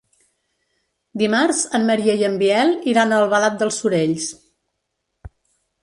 Dimarts en Maria i en Biel iran a Albalat dels Sorells.